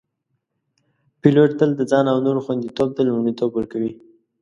پیلوټ تل د ځان او نورو خوندیتوب ته لومړیتوب ورکوي.